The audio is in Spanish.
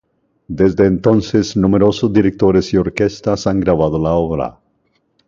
Desde entonces, numerosos directores y orquestas han grabado la obra.